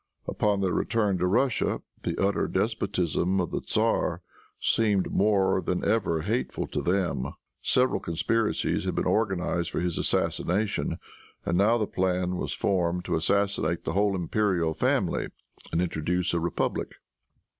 Upon their return to Russia, the utter despotism of the tzar seemed more than ever hateful to them. Several conspiracies had been organized for his assassination, and now the plan was formed to assassinate the whole imperial family, and introduce a republic.